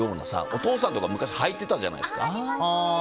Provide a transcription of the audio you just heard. お父さんとか昔、はいてたじゃないですか。